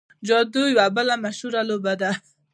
جودو یوه بله مشهوره لوبه ده.